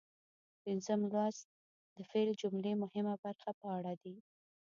پنځم لوست د فعل د جملې مهمه برخه په اړه دی.